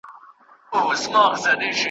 زه همزولې د ښکلایم، زه له میني د سبحان یم ,